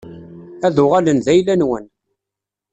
Ad uɣalen d ayla-nwen.